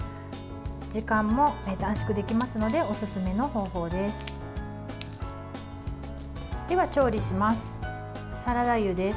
時間も短縮できますのでおすすめの方法です。